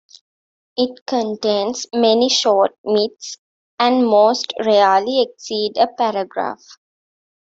It contains many short myths, and most rarely exceed a paragraph.